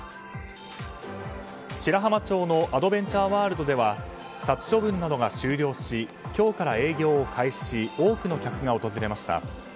白浜町のアドベンチャーワールドでは殺処分などが終了し今日から営業を開始し多くの客が訪れました。